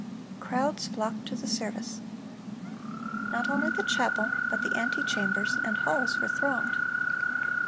Crowds flocked to the service. Not only the chapel, but the ante chambers and halls were thronged.